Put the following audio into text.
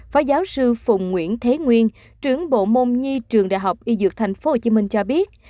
phó giáo sư phùng nguyễn thế nguyên trưởng bộ môn nhi trường đại học y dược tp hcm cho biết